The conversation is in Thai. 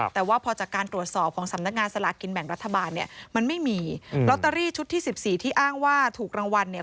แต่ว่าพอจากการตรวจสอบของสำนักงานสลากกินแบ่งรัฐบาลเนี่ยมันไม่มีลอตเตอรี่ชุดที่๑๔ที่อ้างว่าถูกรางวัลเนี่ย